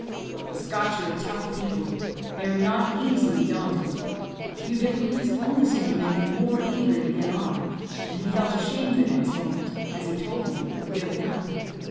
"The Scotch are a tough people; they are not easily daunted a few difficulties only seem to make them more eager to get on; and he felt ashamed the next moment, as he told me, of giving up.